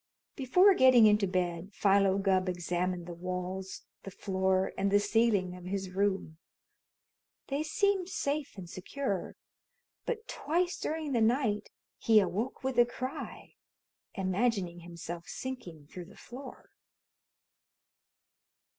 Before getting into bed Philo Gubb examined the walls, the floor, and the ceiling of his room. They seemed safe and secure, but twice during the night he awoke with a cry, imagining himself sinking through the floor.